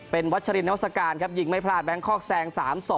เป็นวัชรินนวัศกาลครับยิงไม่พลาดแบงคอกแซง๓๒